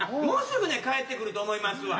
もうすぐね帰って来ると思います。